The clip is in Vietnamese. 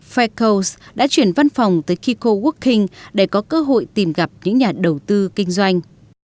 ficos đã chuyển văn phòng tới kiko working để có cơ hội tìm gặp những nhà đầu tư kinh doanh